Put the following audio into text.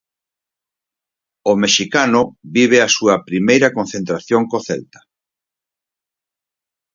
O mexicano vive a súa primeira concentración co Celta.